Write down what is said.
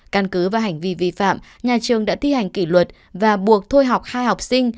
căn cứ và hành vi vi phạm nhà trường đã thi hành kỷ luật và buộc thôi học hai học sinh